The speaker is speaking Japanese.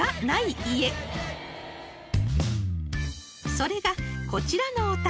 ［それがこちらのお宅］